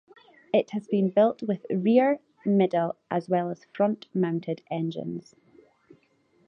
It has been built with rear-, middle-, as well as front-mounted engines.